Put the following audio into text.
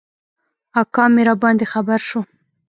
اکا مي راباندي خبر شو .